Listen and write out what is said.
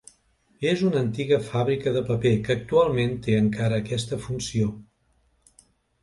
És una antiga fàbrica de paper que actualment té encara aquesta funció.